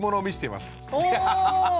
お！